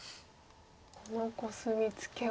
このコスミツケは。